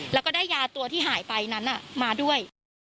แล้วก็ได้ยาตัวที่หายไปนั้นมาด้วย